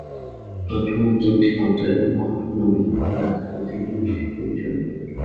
প্রচুর বুদ্ধিমত্তা এবং মহৎ গুণাবলীর ভাণ্ডার থাকা তিনি এই পৃথিবীতে বিচরণ করেছিলেন।